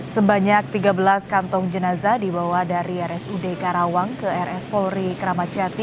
sebanyak tiga belas kantong jenazah dibawa dari rsud karawang ke rs polri kramat jati